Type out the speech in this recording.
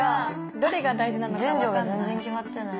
どれが大事なのかわかんない。